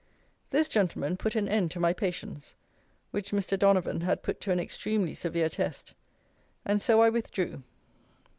This gentleman put an end to my patience, which Mr. Donavon had put to an extremely severe test; and so I withdrew.